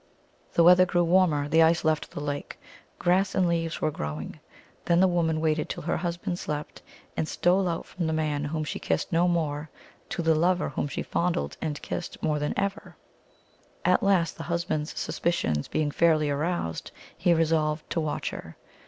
The weather grew warmer; the ice left the lake; grass and leaves were growing. Then the woman waited till her husband slept, and stole out from the man whom she kissed no more, to the lover whom she fondled and kissed more than ever. AT O SIS, THE SERPENT. 279 At last the husband s suspicions being fairly aroused, he resolved to watch her.